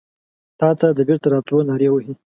تاته د بیرته راتلو نارې وهې